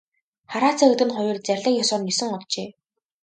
Хараацай хэдгэнэ хоёр зарлиг ёсоор нисэн оджээ.